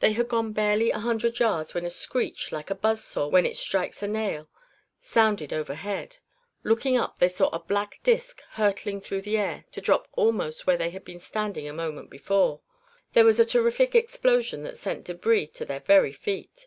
They had gone barely a hundred yards when a screech, like a buzz saw when it strikes a nail, sounded overhead. Looking up they saw a black disk hurtling through the air, to drop almost where they had been standing a moment before. There was a terrific explosion that sent debris to their very feet.